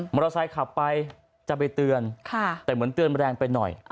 เตอร์ไซค์ขับไปจะไปเตือนแต่เหมือนเตือนแรงไปหน่อย